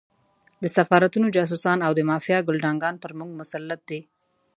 د سفارتونو جاسوسان او د مافیا ګُلډانګان پر موږ مسلط دي.